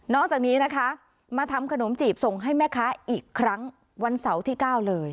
จากนี้นะคะมาทำขนมจีบส่งให้แม่ค้าอีกครั้งวันเสาร์ที่๙เลย